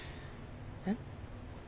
えっ？